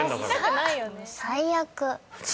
最悪。